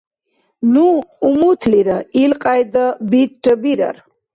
Ну умутлира, илкьяйда бирра бирар!